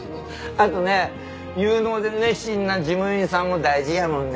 あとね有能で熱心な事務員さんも大事やもんね！